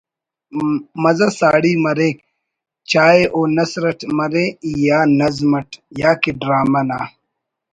مزہ ساڑی مریک چاہے او نثر اٹ مرے یا نظم اٹ یا کہ ڈرامہ نا